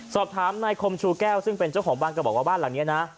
สอบถามนายคมชูแก้วซึ่งเป็นเจ้าของบ้านก็บอกว่าบ้านหลังนี้นะ